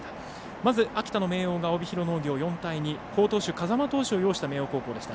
まず秋田の明桜が帯広農業を４対２、好投手風間投手を擁した明桜でした。